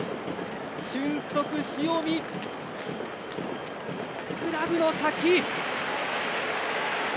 俊足・塩見、グラブの先。